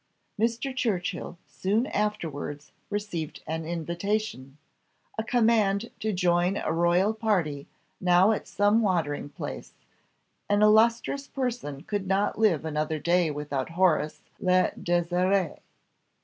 Mr. Churchill soon afterwards received an invitation a command to join a royal party now at some watering place; an illustrious person could not live another day without Horace le désiré.